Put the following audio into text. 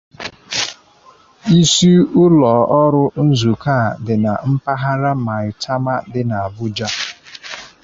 Isi ụlọ ọrụ nzukọ a dị na mpaghara Maitama dị na Abuja.